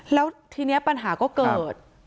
แล้วทีนี้ปัญหาก็เกิด